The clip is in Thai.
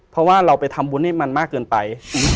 เพราะว่าเราไปทำบุญให้มันมากเกินไป